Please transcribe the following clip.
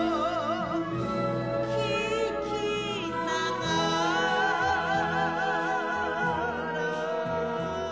「聞きながら」